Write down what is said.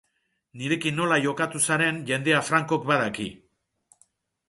Nirekin nola jokatu zaren jendea frankok badaki.